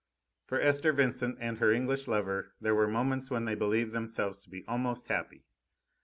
For Esther Vincent and her English lover there were moments when they believed themselves to be almost happy.